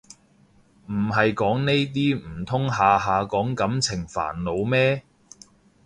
唔係講呢啲唔通下下講感情煩惱咩